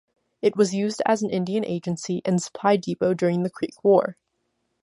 It was used as an Indian Agency and supply depot during the Creek War.